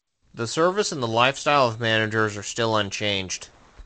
The service and the lifestyle of managers are still unchanged.